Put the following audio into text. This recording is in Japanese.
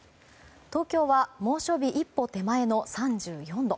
東京は猛暑日一歩手前の３４度。